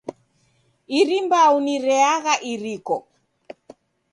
Iri mbau ni reagha iriko.